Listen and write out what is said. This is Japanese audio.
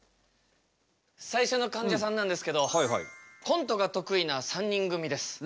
最初のかんじゃさんなんですけどコントが得意な３人組です。